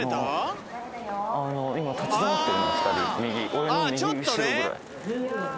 俺の右後ろぐらい。